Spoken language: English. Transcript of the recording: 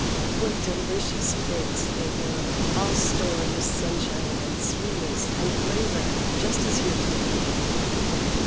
What delicious figs they were, all stored with sunshine and sweetness and flavor just as he had told me.